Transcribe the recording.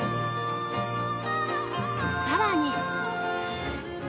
さらに